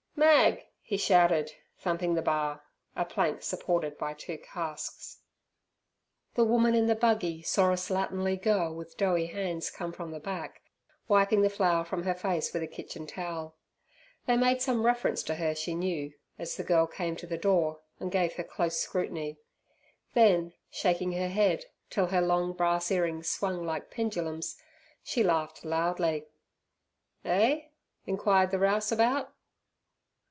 "Mag!" he shouted, thumping the bar (a plank supported by two casks). The woman in the buggy saw a slatternly girl with doughy hands come from the back, wiping the flour from her face with a kitchen towel. They made some reference to her she knew, as the girl came to the door and gave her close scrutiny. Then, shaking her head till her long brass earrings swung like pendulums, she laughed loudly. "Eh?" enquired the rouseabout.